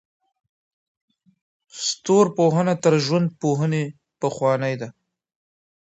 ستورپوهنه تر ژوندپوهنې پخوانۍ ده.